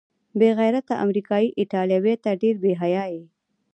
بې غیرته امریکايي ایټالویه، ته ډېر بې حیا یې.